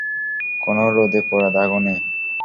কোনো রোদে পোড়া দাগও নেই।